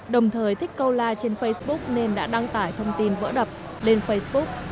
đồng thời thích câu like trên facebook nên đã đăng tải thông tin vỡ đập lên facebook